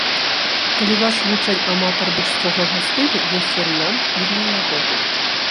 Калі ваш вучань аматар больш строгага стылю, ёсць варыянт і для яго.